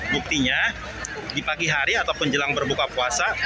buktinya di pagi hari ataupun jelang berbuka puasa